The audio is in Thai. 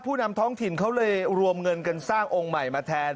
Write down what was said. นำท้องถิ่นเขาเลยรวมเงินกันสร้างองค์ใหม่มาแทน